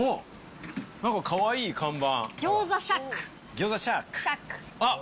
なんかかわいい看板。